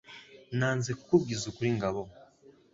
nanze kuku bwiza ukuri ngabo